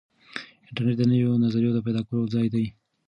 انټرنیټ د نویو نظریو د پیدا کولو ځای دی.